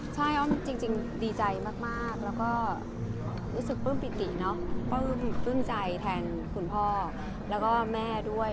ใช่จริงดีใจมากแล้วก็รู้สึกเผื่อมประติเนาะเผื่อมใจแทนคุณพ่อแล้วก็แม่ด้วย